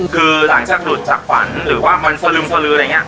คือหลังจากหลุดจากฝันหรือว่ามันสลึมสลืออะไรอย่างนี้